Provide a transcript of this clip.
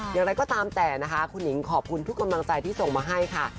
อย่างไรก็ตามแต่นะคะคุณหนิงขอบคุณทุกกำลังใจที่ส่งมาให้ค่ะ